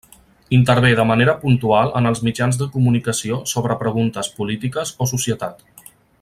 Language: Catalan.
Intervé de manera puntual en els mitjans de comunicació sobre preguntes polítiques o societat.